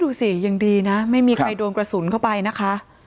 ดูสิยังดีนะไม่มีใครโดนกระสุนเข้าไปนะคะ